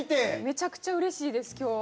めちゃくちゃうれしいです今日。